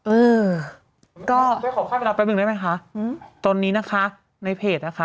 เออก็ไม่ขอเข้าไปเวลาแป๊บหนึ่งได้ไหมคะอืมตอนนี้นะคะในเพจนะคะ